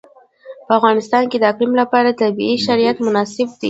په افغانستان کې د اقلیم لپاره طبیعي شرایط مناسب دي.